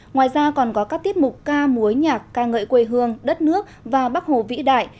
ngoài ra còn có các tiết mục ca múa nhạc ca ngợi quê hương đất nước và bắc hồ vĩ đại